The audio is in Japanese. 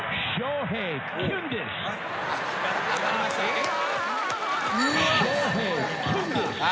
えっ？